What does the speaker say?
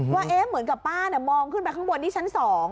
ว่าเหมือนกับป้ามองขึ้นไปข้างบนที่ชั้น๒